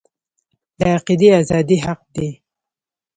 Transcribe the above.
د عقیدې ازادي حق دی